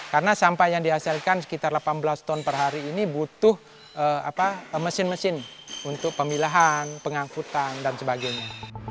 karena sampah yang dihasilkan sekitar delapan belas ton per hari ini butuh mesin mesin untuk pemilahan pengangkutan dan sebagainya